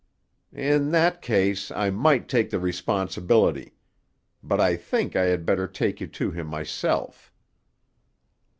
"In that case I might take the responsibility. But I think I had better take you to him myself."